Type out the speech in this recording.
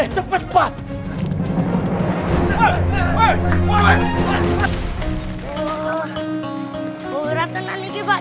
terbukti semuanya jadi keempat